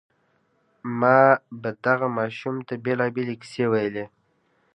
ما به دغه ماشوم ته بېلابېلې کيسې ويلې.